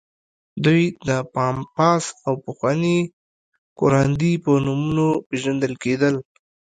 دوی د پامپاس او پخواني کوراندي په نومونو پېژندل کېدل.